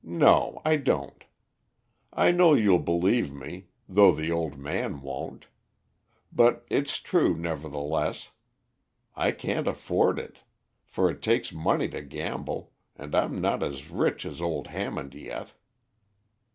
No, I don't. I know you'll believe me, though the old man won't. But it's true, nevertheless. I can't afford it, for it takes money to gamble, and I'm not as rich as old Hammond yet."